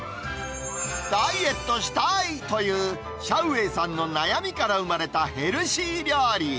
ダイエットしたいというシャウ・ウェイさんの悩みから生まれたヘルシー料理。